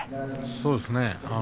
そうですね。